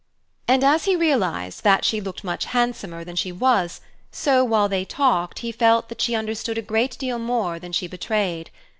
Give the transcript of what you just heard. And as he realized that she looked much handsomer than she was, so while they talked, he felt that she understood a great deal more than she betrayed.